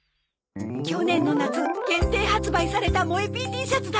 去年の夏限定発売されたもえＰＴシャツだ！